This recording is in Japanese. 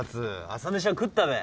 朝飯は食ったべ。